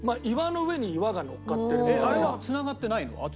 あれは繋がってないの？